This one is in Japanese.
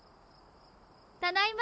ただいま！